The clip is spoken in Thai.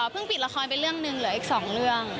เพิ่งปิดละครเป็นเรื่องหนึ่งเหลืออีกสองเรื่อง